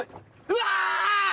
うわ！